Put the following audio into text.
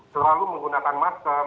selalu menggunakan modal